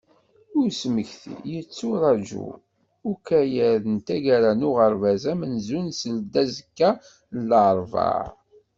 I usemekti, yetturaǧu ukayad n taggara n uɣerbaz amenzu seldazekka n larebɛa.